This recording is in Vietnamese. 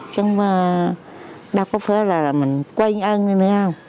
chứ đâu có phải là mình quên ơn nữa nha